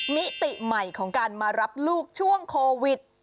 มิติใหม่ของการมารับลูกช่วงโควิด